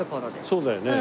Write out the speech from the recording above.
そうだよね。